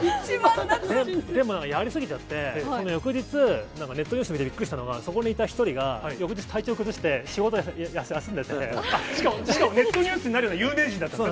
でも、やりすぎちゃって、その翌日、ネットニュース見てびっくりしたのが、そこにいた１人が、翌日、体調崩して、しかもネットニュースになるそうです。